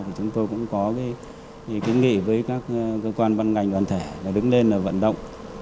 thì chúng tôi cũng có kiến nghị với các cơ quan văn ngành đoàn thể là đứng lên là vận động